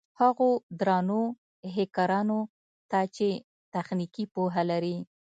هغو درنو هېکرانو ته چې تخنيکي پوهه لري.